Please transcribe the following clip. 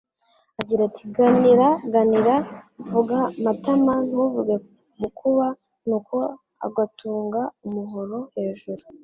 agira ati Ganira, ganira, vuga matama, ntuvuge bukuba Nuko agatunga umuhoro hejuru